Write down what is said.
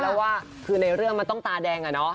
แล้วว่าคือในเรื่องมันต้องตาแดงอะเนาะ